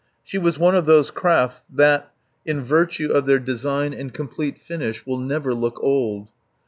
She was one of those craft that, in virtue of their design and complete finish, will never look old.